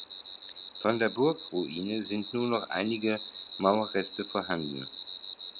Von der Burgruine sind nur noch einige Mauerreste vorhanden.